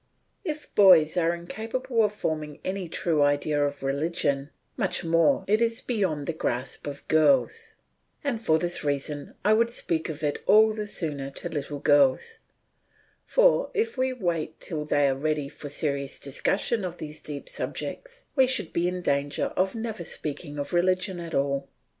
If boys are incapable of forming any true idea of religion, much more is it beyond the grasp of girls; and for this reason I would speak of it all the sooner to little girls, for if we wait till they are ready for a serious discussion of these deep subjects we should be in danger of never speaking of religion at all.